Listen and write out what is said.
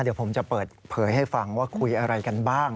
เดี๋ยวผมจะเปิดเผยให้ฟังว่าคุยอะไรกันบ้าง